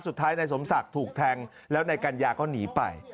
สุดท้ายนายสมศักดิ์ถูกแทงแล้วนายกัญญาก็หนีไป